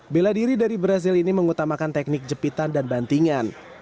bela diri dari brazil ini mengutamakan teknik jepitan dan bantingan